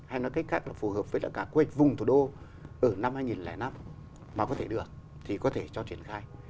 hay nói cách khác là phù hợp với cả quyết vùng tù đô ở năm hai nghìn năm mà có thể được thì có thể cho triển khai